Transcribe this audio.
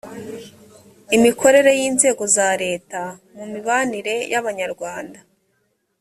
imikorere y inzego za leta mu mibanire y abanyarwanda